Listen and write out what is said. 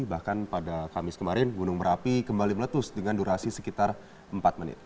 bahkan pada kamis kemarin gunung merapi kembali meletus dengan durasi sekitar empat menit